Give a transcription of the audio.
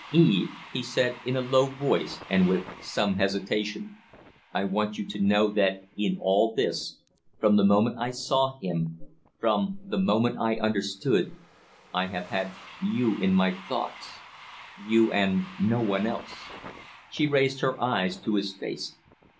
"Eve," he said, in a low voice and with some hesitation, "I want you to know that in all this from the moment I saw him from the moment I understood I have had you in my thoughts you and no one else." She raised her eyes to his face.